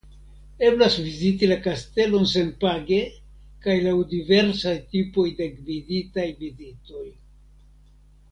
Eblas viziti la kastelon senpage kaj laŭ diversaj tipoj de gviditaj vizitoj.